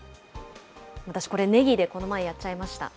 私これ、ネギでこの前、やっちゃいました。